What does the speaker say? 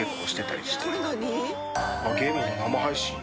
ゲームの生配信